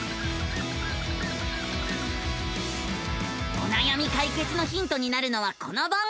おなやみ解決のヒントになるのはこの番組。